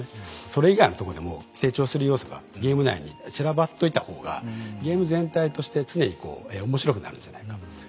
それ以外のとこでも成長する要素がゲーム内に散らばっといた方がゲーム全体として常にこう面白くなるんじゃないか。